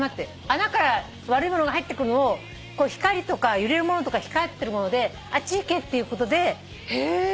穴から悪いものが入ってくるのを揺れるものとか光ってるものであっち行けっていうことで穴のところにこういうの飾って。